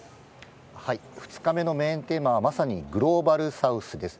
２日目のメインテーマは、まさにグローバルサウスです。